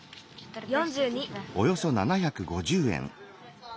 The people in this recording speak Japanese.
４２。